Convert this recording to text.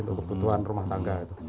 untuk kebutuhan rumah tangga